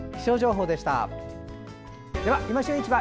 では「いま旬市場」